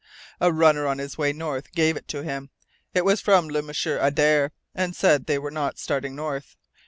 "A runner on his way north gave it to him. It was from Le M'sieur Adare, and said they were not starting north.